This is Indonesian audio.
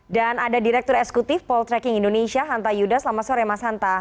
dan ada direktur esekutif poltreking indonesia hanta yuda selamat sore mas hanta